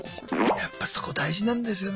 やっぱそこ大事なんですよね。